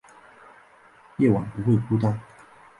夜晚不会孤单